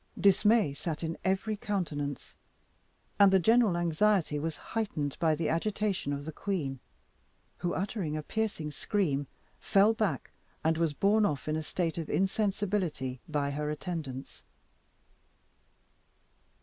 Dismay sat in every countenance, and the general anxiety was heightened by the agitation of the queen, who, uttering a piercing scream, fell back, and was borne off in a state of insensibility by her attendants.